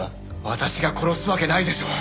私が殺すわけないでしょう。